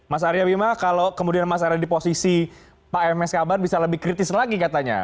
mas arya bima kalau kemudian mas arya di posisi pak ms kabar bisa lebih kritis lagi katanya